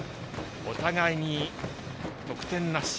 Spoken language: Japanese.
お互いに得点なし。